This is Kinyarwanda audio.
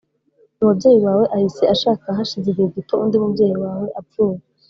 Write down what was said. mu babyeyi bawe ahise ashaka hashize igihe gito undi mubyeyi wawe apfuye